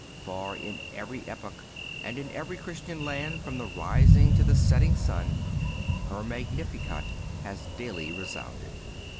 For, in every epoch, and in every Christian land from the rising to the setting sun, her Magnificat has daily resounded.